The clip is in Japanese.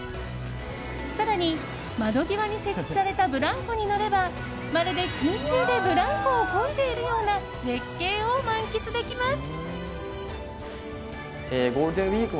更に、窓際に設置されたブランコに乗ればまるで空中でブランコをこいでいるような絶景を満喫できます。